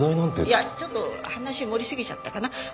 いやちょっと話盛りすぎちゃったかな。